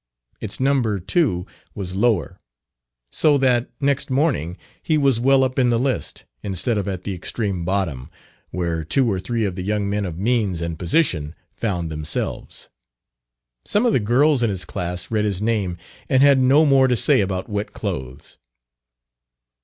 Its number, too, was lower; so that, next morning, he was well up in the list, instead of at the extreme bottom, where two or three of the young men of means and position found themselves. Some of the girls in his class read his name, and had no more to say about wet clothes.